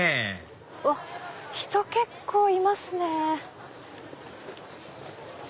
うわ人結構いますね。